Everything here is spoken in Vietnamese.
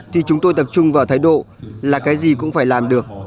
thì chúng tôi tập trung vào thái độ là cái gì cũng phải làm được